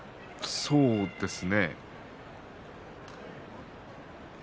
そうですね。